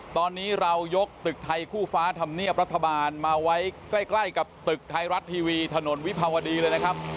ตอนนี้เรายกตึกไทยคู่ฟ้าธรรมเนียบรัฐบาลมาไว้ใกล้กับตึกไทยรัฐทีวีถนนวิภาวดีเลยนะครับ